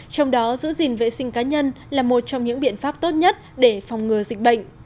trong đó giữ gìn vệ sinh cá nhân là một trong những biện pháp tốt nhất để phòng ngừa dịch bệnh